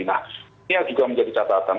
nah ini yang juga menjadi catatan